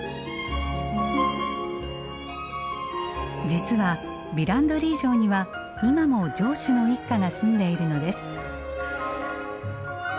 実はヴィランドリー城には今も城主の一家が住んでいるのです。